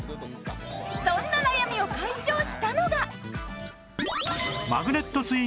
そんな悩みを解消したのが